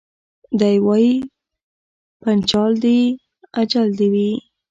دی وايي پنچال دي اجل دي وي